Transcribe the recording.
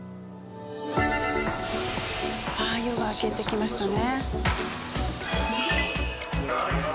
あっ夜が明けてきましたね。